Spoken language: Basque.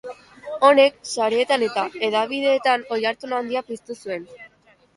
Honek sareetan eta hedabideetan oihartzun handia piztu zuen.